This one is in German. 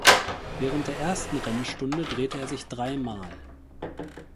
Während der ersten Rennstunde drehte er sich dreimal.